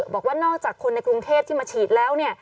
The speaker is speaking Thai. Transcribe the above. บอกว่านอกจากคนในกรุงเทพที่มาฉีดแล้วเนี่ย